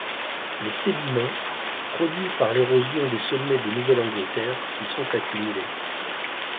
Les sédiments, produits par l'érosion des sommets de Nouvelle-Angleterre, s'y sont accumulés.